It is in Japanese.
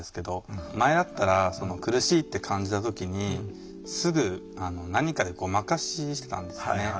前だったら苦しいって感じた時にすぐ何かでごまかししてたんですよね。